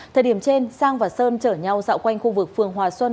thời điểm trên sang và sơn chở nhau dạo quanh khu vực phường hòa xuân